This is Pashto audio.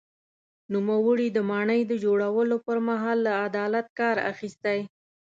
نوموړي د ماڼۍ د جوړولو پر مهال له عدالت کار اخیستی.